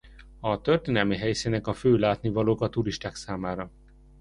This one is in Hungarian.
A történelmi helyszínek a fő látnivalók a turisták számára.